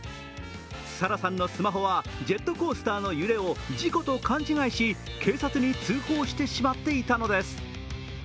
サラさんのスマホは、ジェットコースターの揺れを事故と勘違いし、警察に通報してしまっていたのです。